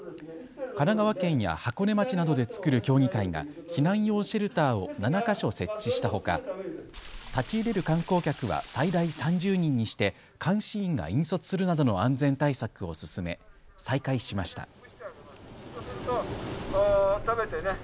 神奈川県や箱根町などで作る協議会が避難用シェルターを７か所設置したほか立ち入れる観光客は最大３０人にして、監視員が引率するなどの安全対策を進め再開しました。